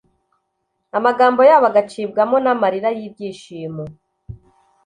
amagambo yabo agacibwamo n'amarira y'ibyishimo.